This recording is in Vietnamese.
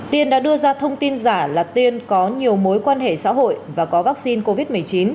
tiên đã đưa ra thông tin giả là tiên có nhiều mối quan hệ xã hội và có vaccine covid một mươi chín